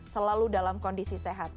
selalu dalam kondisi sehat